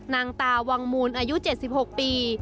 นางตาวังมูลอายุ๗๖ปี